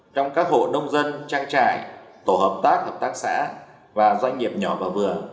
trong các hộ nông dân trang trại tổ hợp tác hợp tác xã và doanh nghiệp nhỏ và vừa